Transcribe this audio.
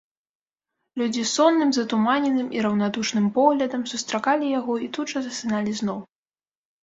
Людзі сонным, затуманеным і раўнадушным поглядам сустракалі яго і тут жа засыналі зноў.